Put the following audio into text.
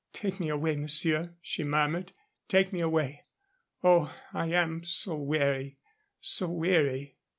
"Take me away, monsieur," she murmured. "Take me away. Oh, I am so weary so weary."